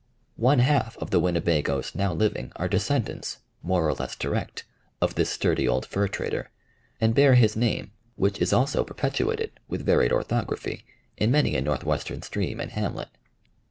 One half of the Winnebagoes now living are descendants, more or less direct, of this sturdy old fur trader, and bear his name, which is also perpetuated, with varied orthography, in many a northwestern stream and hamlet.